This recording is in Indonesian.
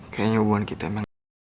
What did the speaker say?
kayaknya hubungan kita memang